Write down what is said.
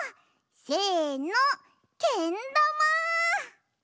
せのけんだま！